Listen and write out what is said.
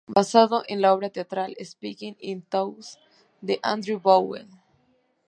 Basado en la obra teatral "Speaking In Tongues" de Andrew Bowell.